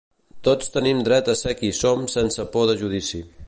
Tots tenim dret a ser qui som sense por de judici.